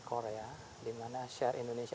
korea dimana share indonesia